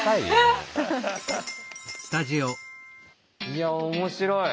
いや面白い。